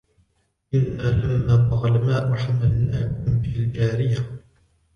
إنا لما طغى الماء حملناكم في الجارية